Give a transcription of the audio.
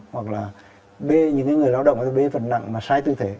hoặc là bê những người lao động bê vật nặng mà sai tư thế